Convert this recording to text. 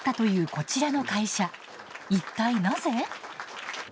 一体なぜ？